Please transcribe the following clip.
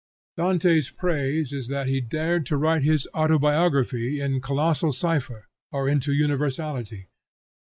Dante's praise is that he dared to write his autobiography in colossal cipher, or into universality.